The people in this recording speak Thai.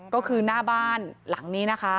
ก็คือหน้าบ้านหลังนี้นะคะ